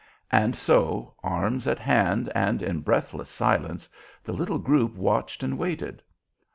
And so, arms at hand and in breathless silence, the little group watched and waited.